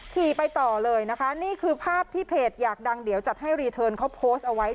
ขี่ไปต่อเลยนะคะนี่คือภาพที่เพจอยากดังเดี๋ยวจัดให้รีเทิร์นเขาโพสต์เอาไว้